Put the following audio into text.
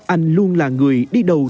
anh luôn là người đi đầu